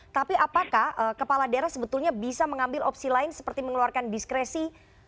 tapi apakah kepala daerah sebetulnya bisa mengambil opsi lain seperti mengeluarkan diskresi